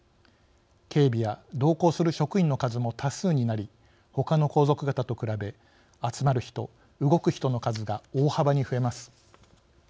警備や同行する職員の数も多数になりほかの皇族方と比べ集まる人動く人の数が大幅に増えます。